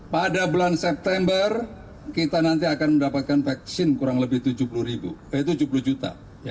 pada bulan september kita nanti akan mendapatkan vaksin kurang lebih tujuh puluh juta